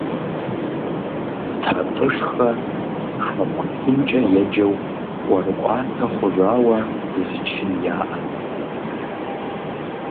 ТатӀышхэ «хэку чынкӏэ» еджэу, ӀуэрыӀуатэ хъужауэ зы чын яӀэт.